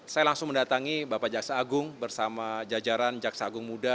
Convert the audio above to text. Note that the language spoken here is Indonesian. saya langsung mendatangi bapak jaksa agung bersama jajaran jaksa agung muda